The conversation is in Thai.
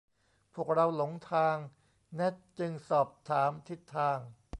พวกเราหลงทาง แนทจึงสอบถามทิศทาง